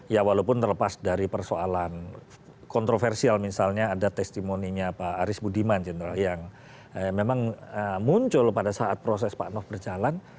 ya walaupun terlepas dari persoalan kontroversial misalnya ada testimoninya pak aris budiman general yang memang muncul pada saat proses pak nof berjalan